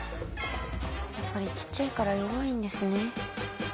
やっぱりちっちゃいから弱いんですよね。